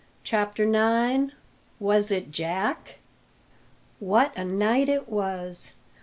CHAPTER IX. WAS IT JACK? What a night it was!